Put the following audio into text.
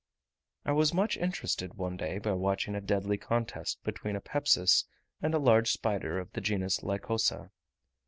I was much interested one day by watching a deadly contest between a Pepsis and a large spider of the genus Lycosa.